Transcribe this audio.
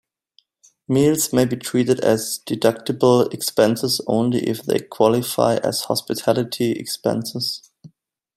Meals may be treated as deductible expenses only if they qualify as hospitality expenses.